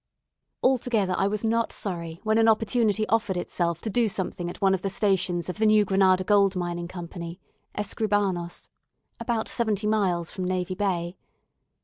Altogether, I was not sorry when an opportunity offered itself to do something at one of the stations of the New Granada Gold mining Company, Escribanos, about seventy miles from Navy Bay.